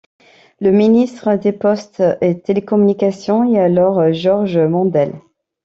Le ministre des Postes et Télécommunications est alors Georges Mandel.